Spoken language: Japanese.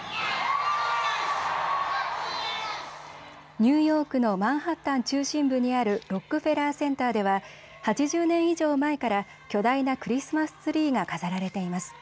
ニューヨークのマンハッタン中心部にあるロックフェラーセンターでは８０年以上前から巨大なクリスマスツリーが飾られています。